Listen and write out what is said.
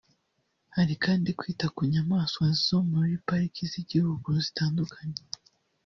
Hari kandi kwita ku nyamaswa zo muri Pariki z’igihugu zitandukanye